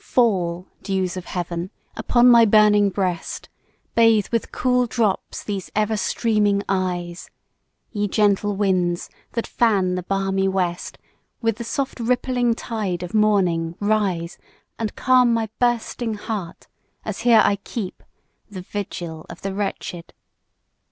FALL, dews of Heaven, upon my burning breast, Bathe with cool drops these ever streaming eyes, Ye gentle Winds, that fan the balmy West, With the soft rippling tide of morning rise, And calm my bursting heart, as here I keep The vigil of the wretched!